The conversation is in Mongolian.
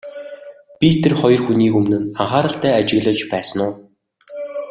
Би тэр хоёр хүнийг өмнө нь анхааралтай ажиглаж байсан уу?